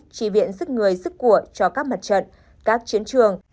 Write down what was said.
trì viện sức người sức của cho các mặt trận các chiến trường